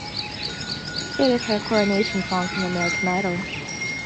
It is her coronation song from "American Idol".